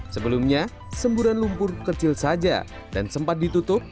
sebelumnya semburan lumpur kecil saja dan sempat ditutup